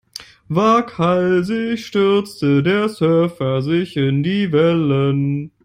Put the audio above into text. Waghalsig stürzte der Surfer sich in die Wellen.